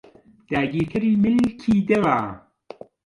داگیرکەری ملکی دڵە